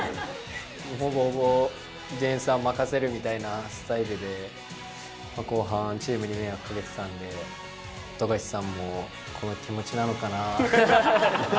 ほぼほぼディフェンスは任せるみたいなスタイルで、後半、チームに迷惑かけてたんで、富樫さんもこの気持ちなのかなと。